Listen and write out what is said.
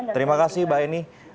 terima kasih mbak eni